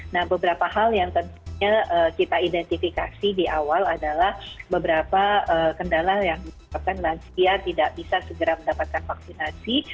nah beberapa hal yang tentunya kita identifikasi di awal adalah beberapa kendala yang menyebabkan lansia tidak bisa segera mendapatkan vaksinasi